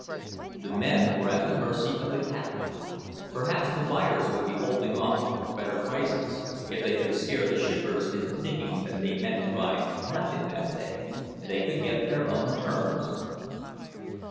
The men were at the mercy of the cattle. Perhaps the buyers would be holding off for better prices—if they could scare the shippers into thinking that they meant to buy nothing that day, they could get their own terms.